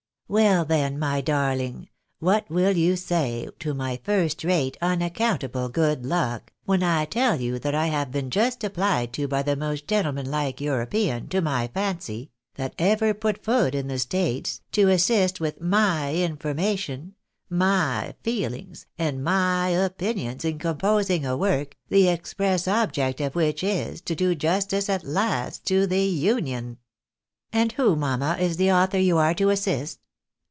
" Well, then, my darUng, what will you say to my first rate, un accountable good luck, when I teU you that I have juBt been apphed to by the most gentlemanlike European, to my fancy, that ever put foot in the States, to assist with my information, my feehngs, and my opinions, in composing a work, the express object of which is to do justice, at last, to the Union ?"" And who, mamma, is the author you are to assist